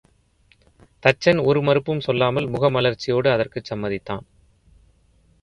தச்சன் ஒரு மறுப்பும் சொல்லாமல் முகமலர்ச்சியோடு அதற்குச் சம்மதித்தான்.